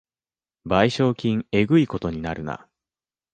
賠償金えぐいことになるな